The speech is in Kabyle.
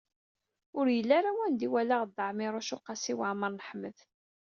Ur yelli ara wanda i walaɣ Dda Ɛmiiruc u Qasi Waɛmer n Ḥmed.